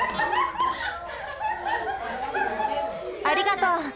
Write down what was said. ありがとう！